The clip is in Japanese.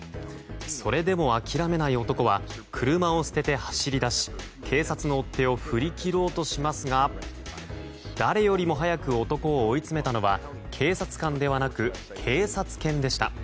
それでも諦めない男は車を捨てて走り出し警察の追っ手を振り切ろうとしますが誰よりも早く男を追い詰めたのは警察官ではなく、警察犬でした。